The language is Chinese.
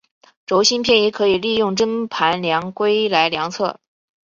轴心偏移可以利用针盘量规来量测。